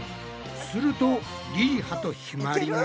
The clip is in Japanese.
するとりりはとひまりが。